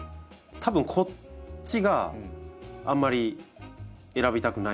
たぶんこっちがあんまり選びたくない苗。